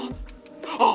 あっ！